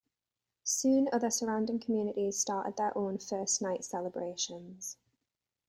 Soon other surrounding communities started their own First Night celebrations.